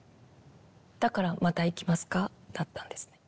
だから「また行きますか？」だったんですね。